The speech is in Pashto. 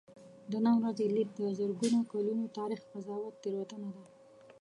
د نن ورځې لید د زرګونو کلونو تاریخ قضاوت تېروتنه ده.